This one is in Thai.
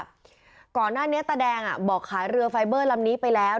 ก่อนหน้านี้ตาแดงอ่ะบอกขายเรือไฟเบอร์ลำนี้ไปแล้ว